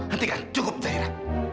hentikan cukup zaira